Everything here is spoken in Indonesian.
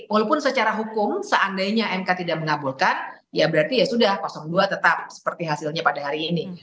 walaupun secara hukum seandainya mk tidak mengabulkan ya berarti ya sudah dua tetap seperti hasilnya pada hari ini